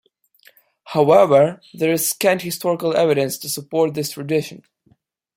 However, there is scant historical evidence to support this tradition.